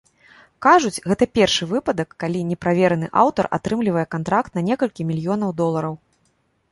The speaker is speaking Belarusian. Кажуць, гэта першы выпадак, калі неправераны аўтар атрымлівае кантракт на некалькі мільёнаў долараў.